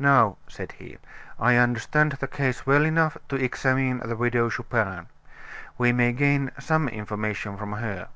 "Now," said he, "I understand the case well enough to examine the Widow Chupin. We may gain some information from her."